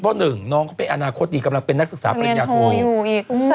เพราะหนึ่งน้องเขาเป็นอนาคตดีกำลังเป็นนักศึกษาปริญญาโทอยู่อีก